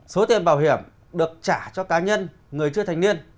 số tiền bảo hiểm được trả cho cá nhân người chưa thành niên